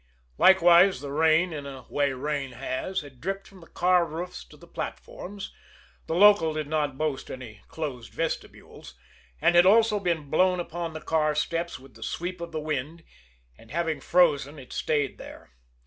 Likewise, the rain, in a way rain has, had dripped from the car roofs to the platforms the local did not boast any closed vestibules and had also been blown upon the car steps with the sweep of the wind, and, having frozen, it stayed there.